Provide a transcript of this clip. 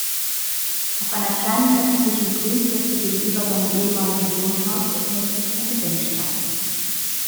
Auf einer kleinen öffentlichen Grünfläche gegenüber seinem ehemaligen Wohnhaus befindet sich ein Gedenkstein.